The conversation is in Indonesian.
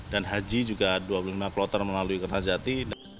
dan haji juga dua puluh lima kloter melalui kertajati